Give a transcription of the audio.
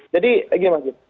jadi gini maksudnya